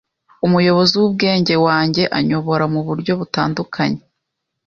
Umuyobozi wubwenge wanjye anyobora muburyo butandukanye